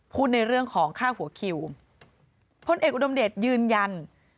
ในเรื่องของค่าหัวคิวพลเอกอุดมเดชยืนยัน